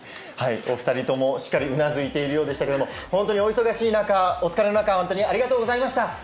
お二人とも、しっかりうなずいているようでしたが本当にお忙しい中、お疲れの中ありがとうございました。